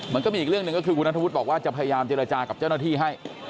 มันก็มีอีกเรื่องหนึ่งก็คือคุณนัทธวุฒิบอกว่าจะพยายามเจรจากับเจ้าหน้าที่ให้